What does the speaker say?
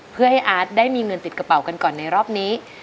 เพื่อให้อาร์ตได้มีเงินติดกระเป๋ากันก่อนในรอบนี้